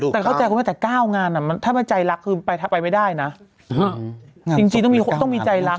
แต่เขาใจว่าแต่เก้างานอ่ะถ้าไม่ใจรักไปไปไม่ได้นะจริงรึต้องมีต้องมีใจรัก